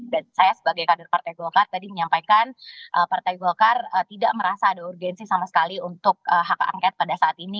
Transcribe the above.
dan saya sebagai kader partai golkar tadi menyampaikan partai golkar tidak merasa ada urgensi sama sekali untuk hak angket pada saat ini